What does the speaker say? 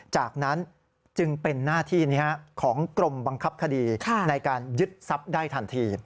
จากนั้นจึงเป็นหน้าที่ของกรมบังคับคดีในการยึดทรัพย์ได้ทันที